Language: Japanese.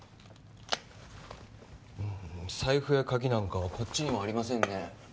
財布や鍵なんかはこっちにもありませんね。